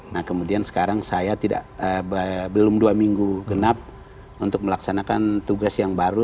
nah kemudian sekarang saya belum dua minggu genap untuk melaksanakan tugas yang baru